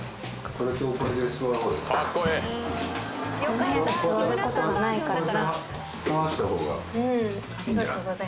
「この部屋で座ることがないからな」